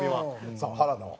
さあ原田は？